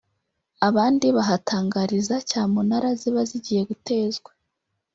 abandi bahatangariza cyamunara ziba zigiye gutezwa